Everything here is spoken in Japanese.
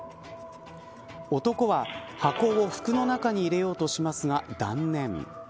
男は箱を服の中に入れようとしますが断念。